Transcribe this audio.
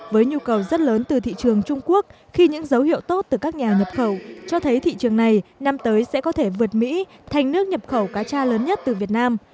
với nhu cầu rất lớn từ thị trường trung quốc khi những dấu hiệu tốt từ các nhà nhập khẩu cho thấy thị trường này năm tới sẽ có thể vượt mỹ thành nước nhập khẩu cá cha lớn nhất từ việt nam